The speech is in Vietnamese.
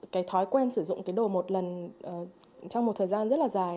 cái thói quen sử dụng cái đồ một lần trong một thời gian rất là dài